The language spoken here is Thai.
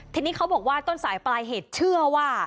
ทีนี้เขาบอกว่าต้นสายปลายเหตุเชื่อว่า